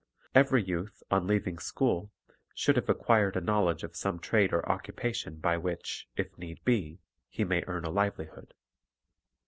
Every youth, on leaving school, should have acquired a knowledge of some trade or occupation by which, if need be, he may earn a livelihood.